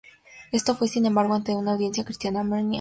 Esto fue, sin embargo, ante una audiencia cristiana armenia.